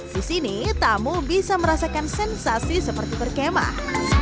di sini tamu bisa merasakan sensasi seperti berkemah